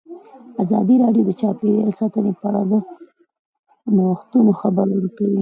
ازادي راډیو د چاپیریال ساتنه په اړه د نوښتونو خبر ورکړی.